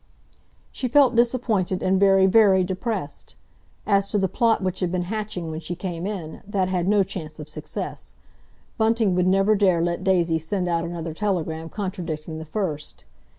She felt disappointed, and very, very depressed. As to the plot which had been hatching when she came in, that had no chance of success; Bunting would never dare let Daisy send out another telegram contradicting the first.